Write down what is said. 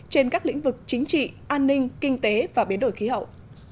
trên các lĩnh vực chính trị an ninh kinh tế và biến đổi khí hậu